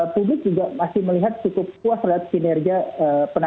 publik juga masih melihat cukup puas terhadap kinerja covid sembilan belas